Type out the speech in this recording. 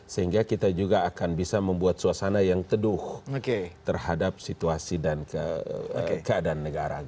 sehingga kita juga akan bisa membuat suasana yang teduh terhadap situasi dan keadaan negara